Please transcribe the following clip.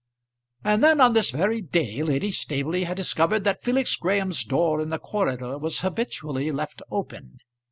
] And then, on this very day, Lady Staveley had discovered that Felix Graham's door in the corridor was habitually left open.